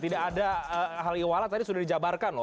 tidak ada hal iwal tadi sudah dijabarkan loh